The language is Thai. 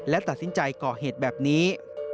และตัดสินใจก่อเหตุแบบนี้